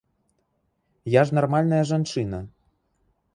Я ж нармальная жанчына!